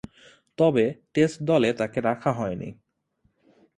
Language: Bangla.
তবে, টেস্ট দলে তাকে রাখা হয়নি।